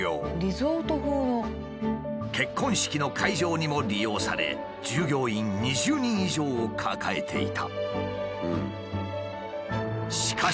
結婚式の会場にも利用され従業員２０人以上を抱えていた。